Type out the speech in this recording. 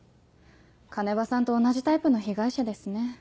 鐘場さんと同じタイプの被害者ですね。